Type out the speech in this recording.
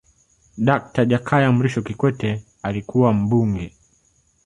dakta jakaya mrisho kikwete alikuwa mbunge